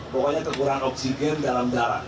pokoknya kekurangan oksigen dalam darah